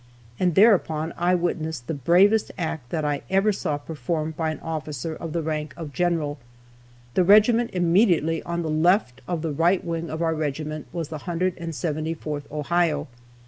And thereupon I witnessed the bravest act that I ever saw performed by an officer of the rank of general. The regiment immediately on the left of the right wing of our regiment was the 174th Ohio.